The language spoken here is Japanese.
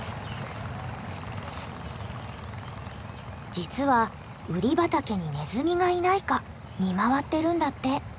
実はウリ畑にネズミがいないか見回ってるんだって。